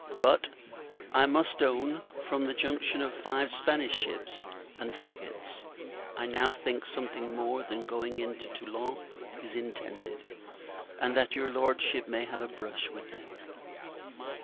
But, I must own, from the junction of five Spanish ships and frigates, I now think, something more than going into Toulon is intended, and that your Lordship may have a brush with them.